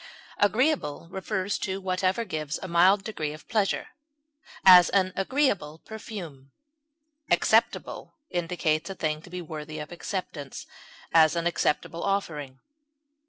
Agreeable refers to whatever gives a mild degree of pleasure; as, an agreeable perfume. Acceptable indicates a thing to be worthy of acceptance; as, an acceptable offering.